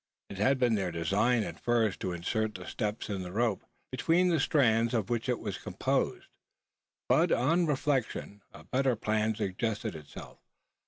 It had been their design at first to insert the steps in the rope between the strands of which it was composed; but, on reflection, a better plan suggested itself.